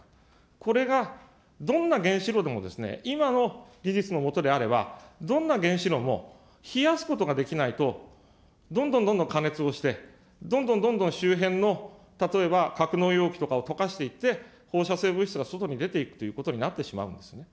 これがどんな原子炉でも、今の技術の下であれば、どんな原子炉も、冷やすことができないとどんどんどんどん過熱をして、どんどんどんどん周辺の、例えば格納容器とかを溶かしていって、放射性物質が外に出ていくということになってしまうんですね。